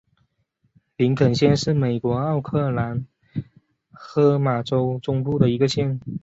林肯县是美国奥克拉荷马州中部的一个县。